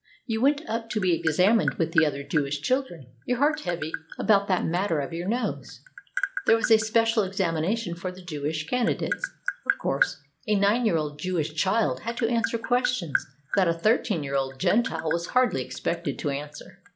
You went up to be examined with the other Jewish children, your heart heavy about that matter of your nose. There was a special examination for the Jewish candidates, of course: a nine year old Jewish child had to answer questions that a thirteen year old Gentile was hardly expected to answer.